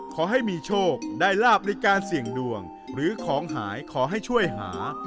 ขอให้มีโชคได้ลาบในการเสี่ยงดวงหรือของหายขอให้ช่วยหา